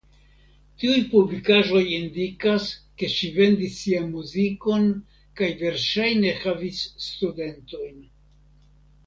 Tiuj publikaĵoj indikas ke ŝi vendis sian muzikon kaj verŝajne havis studentojn.